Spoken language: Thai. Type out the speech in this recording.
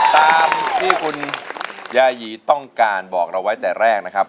ตามที่คุณยายีต้องการบอกเราไว้แต่แรกนะครับ